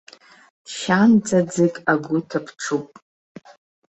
Шьанҵа ӡык агәы ҭаԥҽуп.